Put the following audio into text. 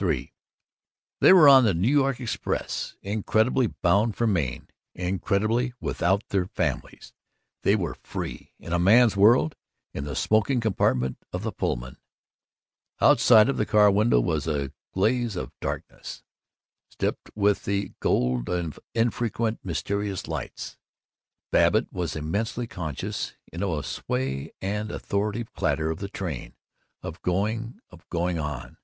III They were on the New York express, incredibly bound for Maine, incredibly without their families. They were free, in a man's world, in the smoking compartment of the Pullman. Outside the car window was a glaze of darkness stippled with the gold of infrequent mysterious lights. Babbitt was immensely conscious, in the sway and authoritative clatter of the train, of going, of going on.